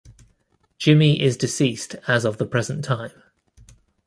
Jimmy is deceased as of the present time.